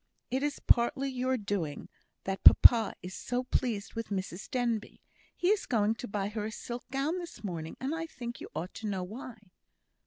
It is partly your doing that papa is so pleased with Mrs Denbigh. He is going to buy her a silk gown this morning, and I think you ought to know why."